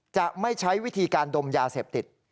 จะไม่ใช้วิธีการดมยาเสพติด